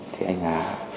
thì anh hà